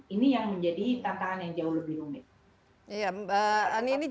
ini yang menjadi tantangan yang jauh lebih rumit